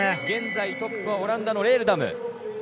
現在トップはオランダのレールダム。